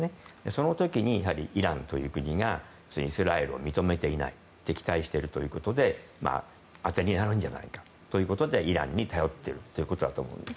その時にイランという国がイスラエルを認めていない敵対しているということであてになるんじゃないかということでイランに頼っているということだと思います。